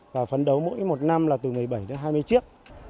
và phấn đấu mỗi một năm là từ một mươi bảy đến hai mươi chiếc